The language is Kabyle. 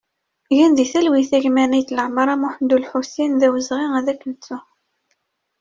Gen di talwit a gma Naït Lamara Muḥand Ulḥusin, d awezɣi ad k-nettu!